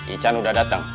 ican udah datang